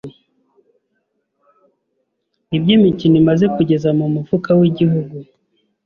nibyo imikino imaze kugeza mu mufuka w’igihugu